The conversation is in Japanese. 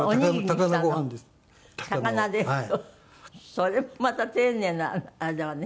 それもまた丁寧なあれだわね。